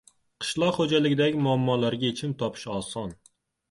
Qishloq xoʻjaligidagi muammolarga yechim topish oson.